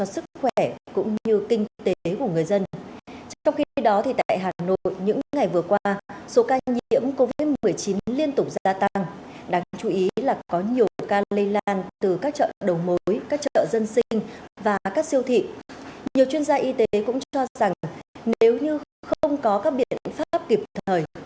sửa chữa đường bộ